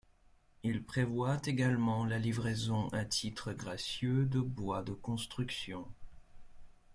Il prévoit également la livraison à titre gracieux de bois de construction.